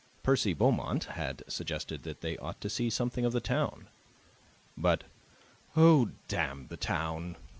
Percy Beaumont had suggested that they ought to see something of the town; but "Oh, damn the town!"